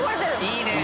いいね！